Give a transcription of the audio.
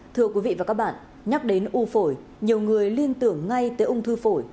thưa quý vị và các bạn nhắc đến u phổi nhiều người liên tưởng ngay tới ung thư phổi